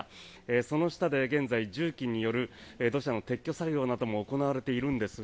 その下で現在重機による土砂の撤去作業なども行われているんですが